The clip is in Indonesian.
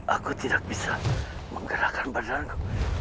aku tidak bisa menggerakkan perjalananku